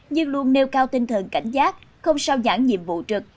nhưng luôn nêu cao tinh thần cảnh giác không sao nhãn nhiệm vụ trực